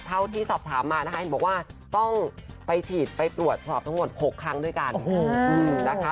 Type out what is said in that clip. เท่าที่สอบถามมานะคะเห็นบอกว่าต้องไปฉีดไปตรวจสอบทั้งหมด๖ครั้งด้วยกันนะคะ